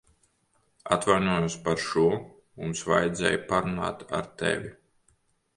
Atvainojos par šo. Mums vajadzēja parunāt ar tevi.